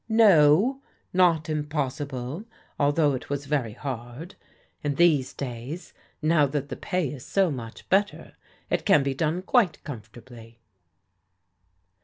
"No, not impossible, although it was very hard. In fliese days, now that the pay is so much better, it can be done quite comfortably."